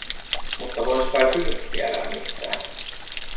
Mutta voisi kai pirttiä lämmittää?